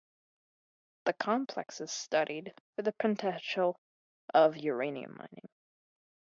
The complex is studied for the potential of uranium mining.